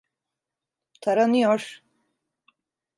Taranıyor.